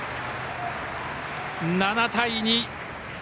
７対２。